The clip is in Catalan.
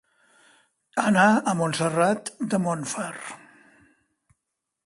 Anar a Montserrat de Montfar.